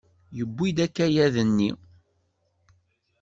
Yewwi-d akayad-nni.